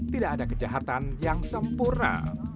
tidak ada kejahatan yang sempurna